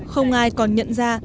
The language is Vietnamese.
không ai còn nhận ra